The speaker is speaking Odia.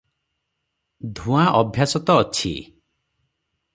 ଧୂଆଁ ଅଭ୍ୟାସ ତ ଅଛି ।